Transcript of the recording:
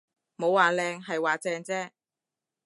冇話靚，係話正啫